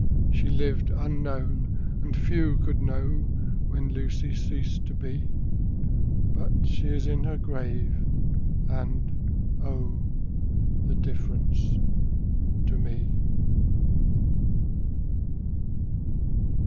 She lived unknown, and few could know When Lucy ceased to be; 10 But she is in her grave, and, oh, The difference to me!